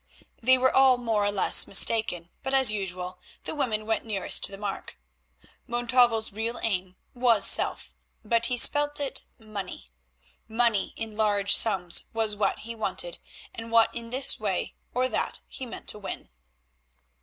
They were all more or less mistaken, but, as usual, the women went nearest to the mark. Montalvo's real aim was self, but he spelt it, Money. Money in large sums was what he wanted, and what in this way or that he meant to win.